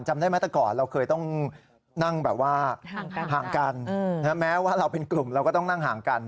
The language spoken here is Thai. จำได้ไหมแต่ก่อนเราเคยต้องนั่งแบบว่าห่างกันแม้ว่าเราเป็นกลุ่มเราก็ต้องนั่งห่างกัน